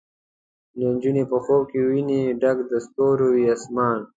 نجلۍ په خوب کې ویني ډک د ستورو، وي اسمان